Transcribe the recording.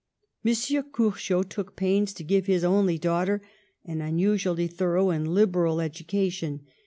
M. Curchod took pains to give his only daugh ter an unusually thorough and liberal education.